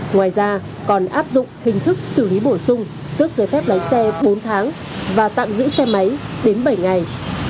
ngoài ra còn áp dụng hình thức xử lý bổ sung tước giấy phép lái xe bốn tháng và tạm giữ xe máy đến bảy ngày